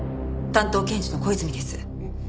担当検事の小泉です。